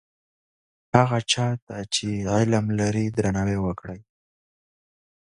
هغه چا ته چې علم لري درناوی وکړئ.